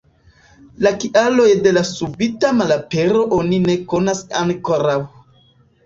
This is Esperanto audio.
La kialojn de la subita malapero oni ne konas ankoraŭ.